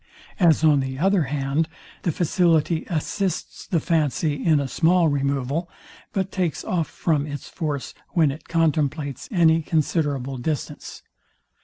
As on the other hand, the facility assists the fancy in a small removal, but takes off from its force when it contemplates any considerable distance.